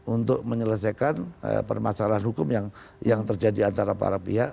untuk menyelesaikan permasalahan hukum yang terjadi antara para pihak